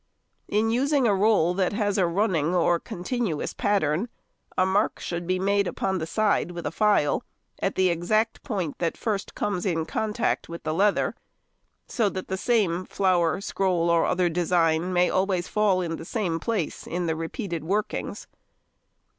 In using a roll that has a running or continuous pattern, a mark should be made upon the side with a file, at the exact point that first comes in contact with the leather, so that the same flower, scroll, or other design, may always fall in the same place in the repeated workings.